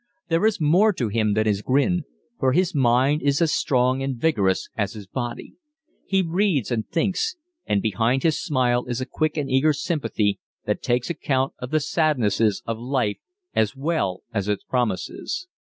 There is more to him than his grin, for his mind is as strong and vigorous as his body. He reads and thinks, and behind his smile is a quick and eager sympathy that takes account of the sadnesses of life as well as its promises.